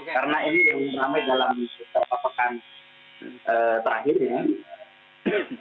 karena ini yang ramai dalam kesepakatan terakhir ini